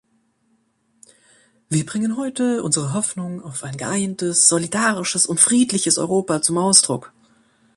Wir bringen heute unsere Hoffnung auf ein geeintes, solidarisches und friedliches Europa zum Ausdruck.